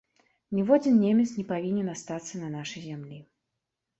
Ніводзін немец не павінен астацца на нашай зямлі.